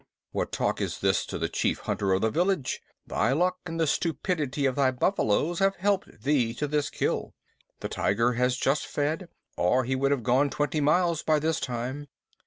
"What talk is this to the chief hunter of the village? Thy luck and the stupidity of thy buffaloes have helped thee to this kill. The tiger has just fed, or he would have gone twenty miles by this time.